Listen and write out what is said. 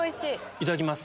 いただきます。